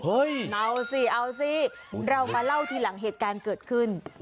เอาสิเอาสิเรามาเล่าทีหลังเหตุการณ์เกิดขึ้น